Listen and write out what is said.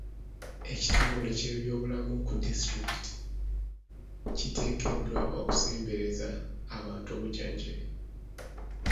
Ekitongole ky'ebyobulamu ku disitulikiti kiteekeddwa okusembereza abantu obujjanjabi.